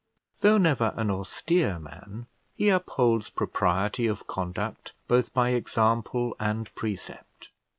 Though never an austere man, he upholds propriety of conduct both by example and precept.